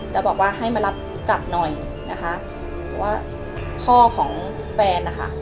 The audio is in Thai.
แล้วบอกว่าให้มารับกลับหน่อยนะคะว่าพ่อของแฟนนะคะ